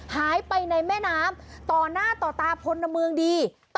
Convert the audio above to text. หายไปในแม่น้ำต่อหน้าต่อตาพลเมืองดี